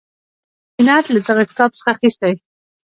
پورتنی نعت له دغه کتاب څخه اخیستی.